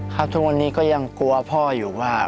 ทุกวันนี้ก็ยังกลัวพ่ออยู่ว่า